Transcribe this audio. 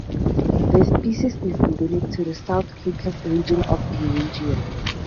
The species is endemic to the South Caucasus region of Eurasia.